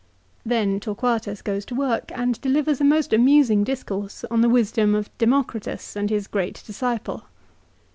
" l Then Torquatus goes to work and delivers a most amusing discourse on the wisdom of Demo critus and his great disciple.